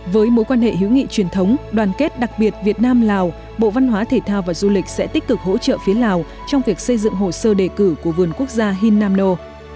với mối quan hệ hữu nghị truyền thống đoàn kết đặc biệt việt nam lào bộ văn hóa thể thao và du lịch sẽ tích cực hỗ trợ phía lào trong việc xây dựng hồ sơ đề cử của vườn quốc gia hin nam no